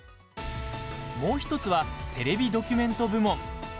もう１つはテレビドキュメント部門。